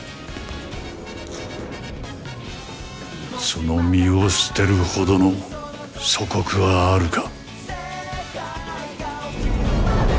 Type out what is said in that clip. その身を捨てるほどの祖国はあるか？